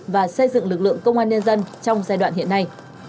và xây dựng lực lượng công an nhân dân trong giai đoạn hiện nay